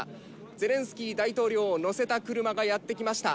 ゼレンスキー大統領を乗せた車がやって来ました。